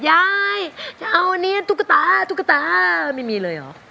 ยายชาวนี้ตุ๊กตาตุ๊กตาไม่มีเลยหรอ